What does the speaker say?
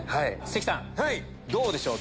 関さんどうでしょう？